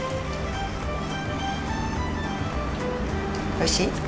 おいしい？